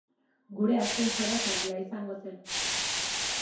Gure azken solasaldia izango zen.